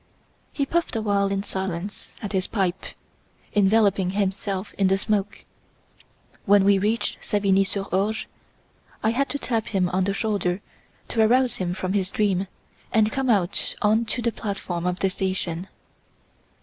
He puffed awhile in silence at his pipe, enveloping himself in the smoke. When we reached Savigny sur Orge, I had to tap him on the shoulder to arouse him from his dream and come out on to the platform of the station.